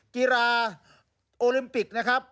กีฬาโอลิมปิกนะครับ